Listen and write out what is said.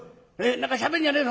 何かしゃべんじゃねえぞ。